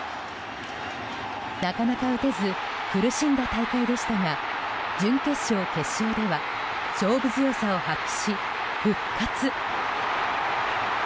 なかなか打てず苦しんだ大会でしたが準決勝、決勝では勝負強さを発揮し復活。